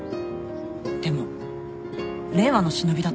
でも令和の忍びだったら。